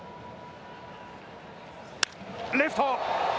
レフト。